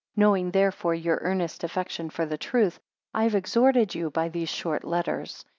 5 Knowing therefore your earnest affection for the truth, I have exhorted you by these short letters.